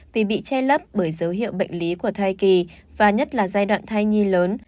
vì bị che lấp bởi dấu hiệu bệnh lý của thai kỳ và nhất là giai đoạn thai nhi lớn